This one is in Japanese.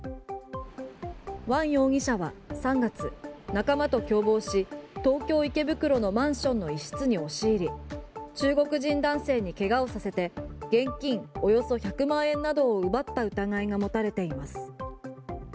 ワン容疑者は３月仲間と共謀し東京・池袋のマンションの一室に押し入り中国人男性に怪我をさせて現金およそ１００万円などを奪った疑いが持たれています。